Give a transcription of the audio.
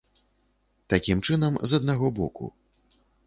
Такім чынам, з аднаго боку.